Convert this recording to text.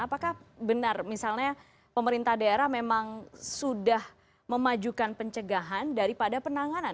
apakah benar misalnya pemerintah daerah memang sudah memajukan pencegahan daripada penanganan